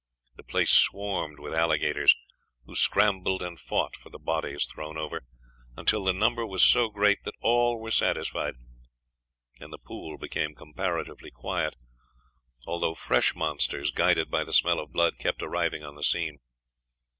The place swarmed with alligators, who scrambled and fought for the bodies thrown over, until the number was so great that all were satisfied, and the pool became comparatively quiet, although fresh monsters, guided by the smell of blood, kept arriving on the scene.